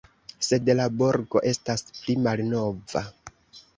Sed la burgo estas pli malnova.